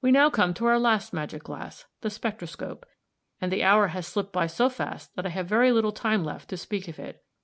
"We now come to our last magic glass the Spectroscope; and the hour has slipped by so fast that I have very little time left to speak of it.